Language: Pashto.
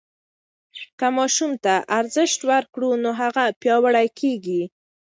که ماشوم ته ارزښت ورکړو نو هغه پیاوړی کېږي.